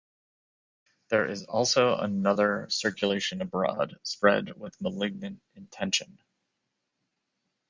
There is also another circulation abroad, spread with a malignant intention.